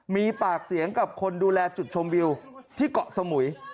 มีปากเสียงกับคนดูแลจุดชมวิวที่เกาะสมุย